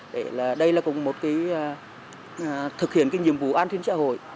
để đây là cũng một cái thực hiện cái nhiệm vụ an thiên xã hội